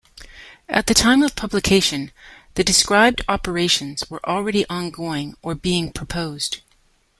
At the time of publication, the described operations were already ongoing or being proposed.